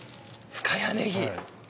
深谷ねぎ。